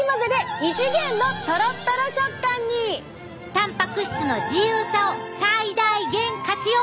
たんぱく質の自由さを最大限活用！